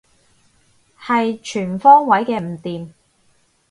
係全方位嘅唔掂